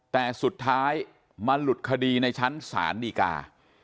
แต่สุดท้ายมาหลุดคดีในชั้นศาลดีกา